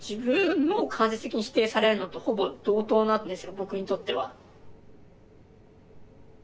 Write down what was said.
僕にとっては。